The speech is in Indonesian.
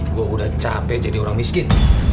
gua udah cape jadi orang miskin